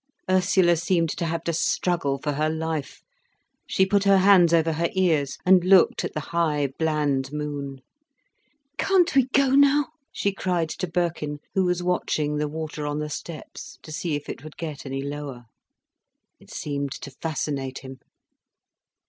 Ursula seemed to have to struggle for her life. She put her hands over her ears, and looked at the high bland moon. "Can't we go now?" she cried to Birkin, who was watching the water on the steps, to see if it would get any lower. It seemed to fascinate him.